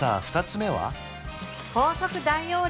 ２つ目は？